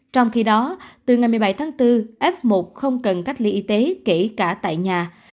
trong khi đó từ ngày một mươi bảy tháng bốn f một không cần cách ly y tế kể cả tại nhà